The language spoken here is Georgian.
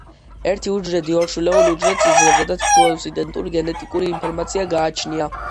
ერთი უჯრედი ორ შვილეულ უჯრედს იძლევა და თითოეულს იდენტური გენეტიკური ინფორმაცია გააჩნია.